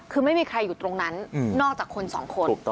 คือไม่มีใครอยู่ตรงนั้นนอกจากคนสองคน